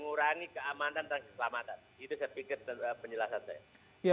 itu saya pikir penjelasan saya